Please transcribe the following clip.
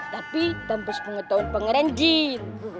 tapi tanpa sepengetahu pengeranjin